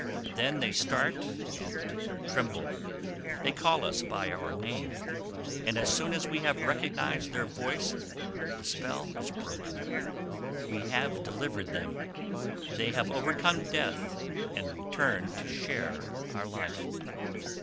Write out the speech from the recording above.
Then they start and tremble, they call us by our name, and as soon as we have recognised their voice the spell is broken. We have delivered them: they have overcome death and return to share our life.